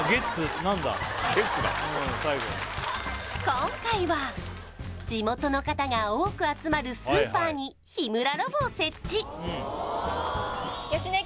今回は地元の方が多く集まるスーパーに日村ロボを設置芳根